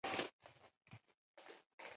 和尼奥尔德分手后据说再嫁给乌勒尔。